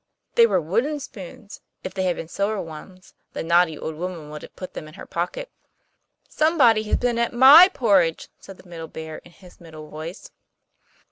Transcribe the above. They were wooden spoons; if they had been silver ones, the naughty old woman would have put them in her pocket. 'Somebody Has Been At My Porridge!' said the Middle Bear, in his middle voice.